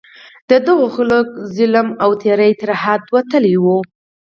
د دغو خلکو ظلم او تېری تر حده وتلی وو.